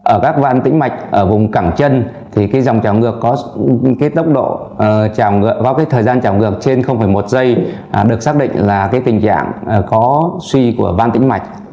ở các ban tĩnh mạch vùng cảng chân thì dòng trào ngược có tốc độ vào thời gian trào ngược trên một giây được xác định là tình trạng có suy của ban tĩnh mạch